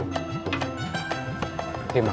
terima kasih pak